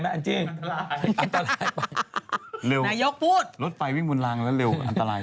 มันจะต้องวิ่งไปหนองคลุมหนองคลาย